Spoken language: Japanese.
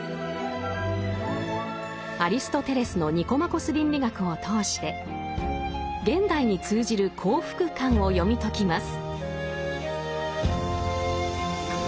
アリストテレスの「ニコマコス倫理学」を通して現代に通じる幸福観を読み解きます。